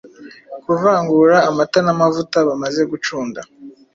Kuvangura amata n’amavuta bamaze gucunda